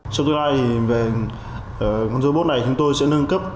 trong thời gian này robot này chúng tôi sẽ nâng cấp